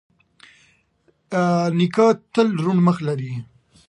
نیکه تل روڼ مخ لري.